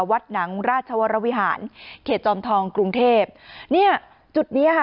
วัดหนังราชวรวิหารเขตจอมทองกรุงเทพเนี่ยจุดเนี้ยค่ะ